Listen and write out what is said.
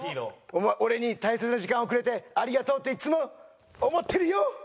俺に大切な時間をくれてありがとうっていつも思ってるよ！